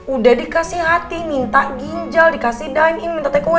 udah dikasih hati minta ginjal dikasih dainin minta tekoe